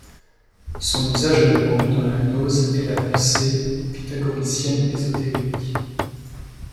Son usage est répandu dans la gnose et la pensée pythagoricienne ésotérique.